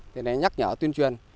thì này nhắc nhở tuyên truyền